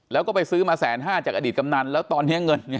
แล้วก็ไปซื้อมาแสนห้าจากอดีตกำนันแล้วตอนนี้เงินเนี่ย